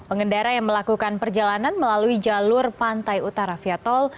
pengendara yang melakukan perjalanan melalui jalur pantai utara fiatol